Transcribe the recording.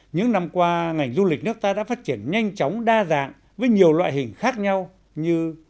những năm qua ngành du lịch nước ta đã phát triển nhanh chóng đa dạng với nhiều loại hình khác nhau như